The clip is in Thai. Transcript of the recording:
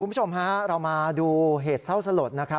คุณผู้ชมฮะเรามาดูเหตุเศร้าสลดนะครับ